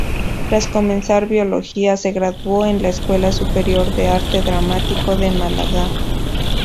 Tras comenzar Biología, se graduó en la Escuela Superior de Arte Dramático de Málaga.